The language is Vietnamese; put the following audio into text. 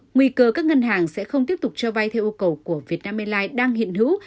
nguy cơ các ngân hàng sẽ không tiếp tục cho vay theo yêu cầu của việt nam airlines đang hiện hữu